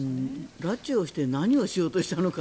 拉致をして何をしようとしたのか。